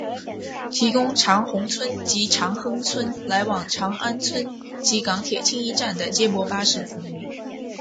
提供长宏邨及长亨邨来往长安邨及港铁青衣站的接驳巴士服务。